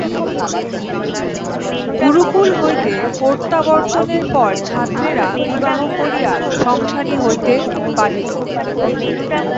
গুরুকুল হইতে প্রত্যাবর্তনের পর ছাত্রেরা বিবাহ করিয়া সংসারী হইতে পারিত।